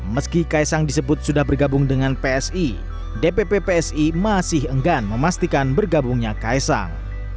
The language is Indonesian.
meski kaisang disebut sudah bergabung dengan psi dpp psi masih enggan memastikan bergabungnya kaisang